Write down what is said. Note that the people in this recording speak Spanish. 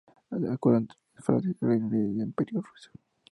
Acuerdo entre Francia, Reino Unido y el Imperio ruso.